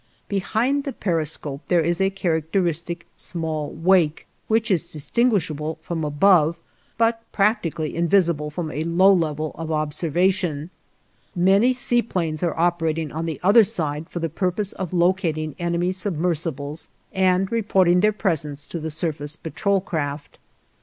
Behind the periscope, there is a characteristic small wake, which is distinguishable from above, but practically invisible from a low level of observation. Many sea planes are operating on the other side for the purpose of locating enemy submersibles and reporting their presence to the surface patrol craft.